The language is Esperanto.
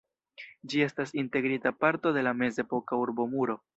Ĝi estas integrita parto de la mezepoka urbomuro.